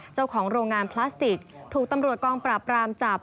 เจ้าของโรงงานพลาสติกถูกตำรวจกองปราบรามจับ